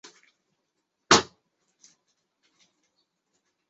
皮伊韦尔人口变化图示